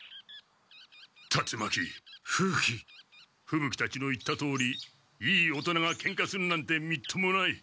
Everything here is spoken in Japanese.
ふぶ鬼たちの言ったとおりいい大人がケンカするなんてみっともない。